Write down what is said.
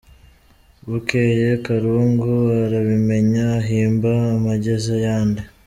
Bukeye Karungu arabimenya; ahimba amageza yandi.